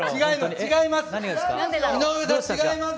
違います。